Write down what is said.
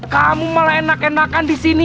kamu melenak enak enakan di sini